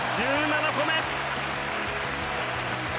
１７個目！